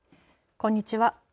こんにちは。